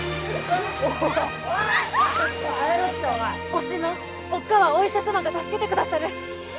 おし乃おっかあはお医者さまが助けてくださる。